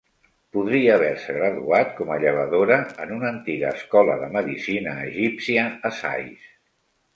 Podria haver-se graduat com a llevadora en una antiga escola de medicina egípcia a Sais.